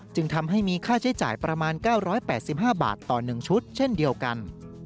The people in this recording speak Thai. จึงทำให้มีค่าใช้จ่ายประมาณ๙๘๕บาทต่อ๑ชุดเช่นเดียวกัน